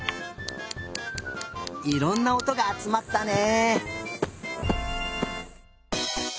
いろんなおとがあつまったね。